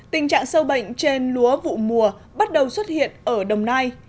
tình trạng sâu bệnh trên lúa vụ mùa bắt đầu xuất hiện ở đồng nai